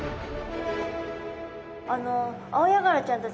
あのアオヤガラちゃんたち